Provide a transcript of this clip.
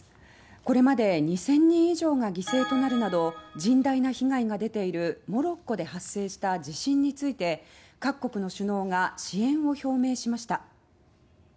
これまで２０００人以上が犠牲となるなど甚大な被害が出ているモロッコで発生した地震について各国の首脳が支援を表明しました。